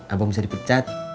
abang bisa dipecat